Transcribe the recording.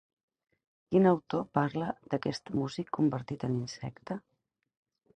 Quin autor parla d'aquest músic convertit en insecte?